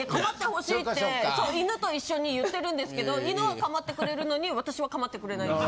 そう犬と一緒に言ってるんですけど犬は構ってくれるのに私は構ってくれないんです。